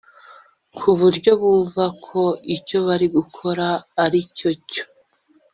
ku buryo bumva ko icyo bari gukora aricyo cyo”